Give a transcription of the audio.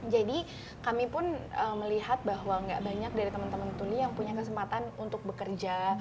jadi kami pun melihat bahwa tidak banyak dari teman teman tuli yang punya kesempatan untuk bekerja